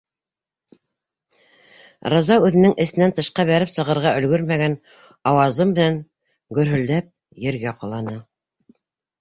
- Рауза үҙенең эсенән тышҡа бәреп сығырға өлгөрмәгән ауазы менән гөрһөлдәп ергә ҡоланы...